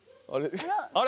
あれ？